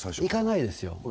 いかないですよ